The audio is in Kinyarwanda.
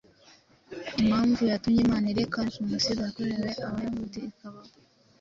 Impamvu yatumye Imana ireka jenoside yakorewe Abayahudi ikabaho,